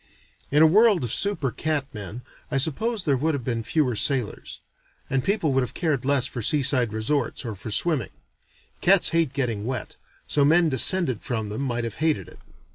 In a world of super cat men, I suppose there would have been fewer sailors; and people would have cared less for seaside resorts, or for swimming. Cats hate getting wet, so men descended from them might have hated it.